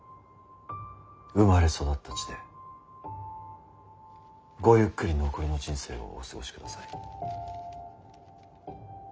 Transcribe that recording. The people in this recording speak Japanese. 生まれ育った地でごゆっくり残りの人生をお過ごしください。